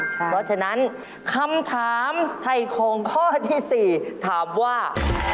เพราะฉะนั้นคำถามไถ่ของข้อที่๔ถามว่า